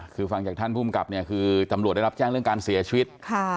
คือฟังจากท่านภูมิกับเนี่ยคือตำรวจได้รับแจ้งเรื่องการเสียชีวิต